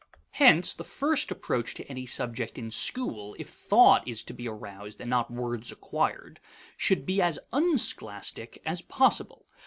Hence the first approach to any subject in school, if thought is to be aroused and not words acquired, should be as unscholastic as possible.